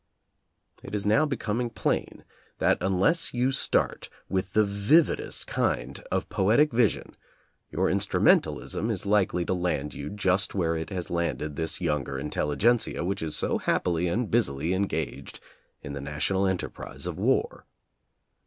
It is now becoming plain that unless you start with the vividest kind of poetic vision, your instrumentalism is likely to land you just where it has landed this younger intelligentsia which is so happily and busily en gaged in the national enterprise of war.